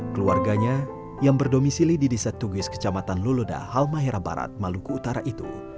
keluarganya yang berdomisili di desa tugis kecamatan luluda halmahera barat maluku utara itu